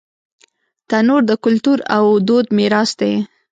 تنور د کلتور او دود میراث دی